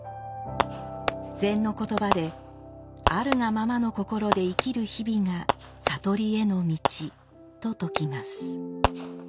禅の言葉で「あるがままの心で生きる日々が悟りへの道」と説きます。